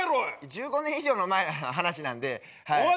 １５年以上も前の話なんではい。